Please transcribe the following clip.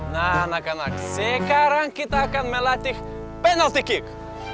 nah anak anak sekarang kita akan melatih penalti kick